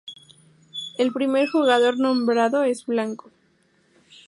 El primer jugador nombrado es blanco.